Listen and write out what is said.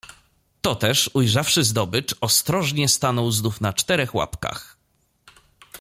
Toteż, ujrzawszy zdobycz, ostrożnie stanął znowu na czterech łapkach.